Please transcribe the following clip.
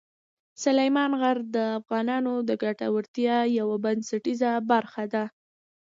سلیمان غر د افغانانو د ګټورتیا یوه بنسټیزه برخه ده.